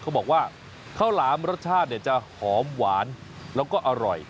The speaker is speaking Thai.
เขาบอกว่าข้าวหลามรสชาติจะหอมหวานแล้วก็อร่อย